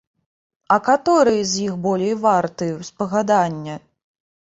А каторыя з іх болей варты спагадання?